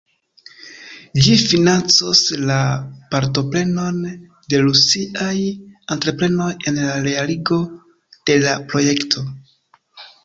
Ĝi financos la partoprenon de rusiaj entreprenoj en la realigo de la projekto.